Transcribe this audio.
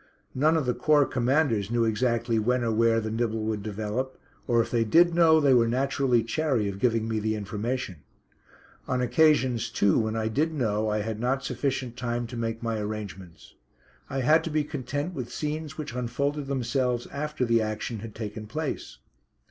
None of the Corps Commanders knew exactly when or where the nibble would develop, or, if they did know, they were naturally chary of giving me the information. On occasions too when I did know I had not sufficient time to make my arrangements, I had to be content with scenes which unfolded themselves after the action had taken place.